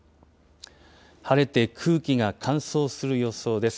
晴れて空気が乾燥する予想です。